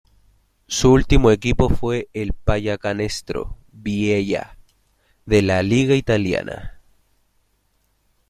Su último equipo fue el Pallacanestro Biella de la liga italiana.